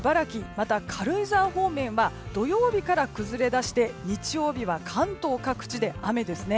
また、軽井沢方面は土曜日から崩れ出して日曜日は関東各地で雨です。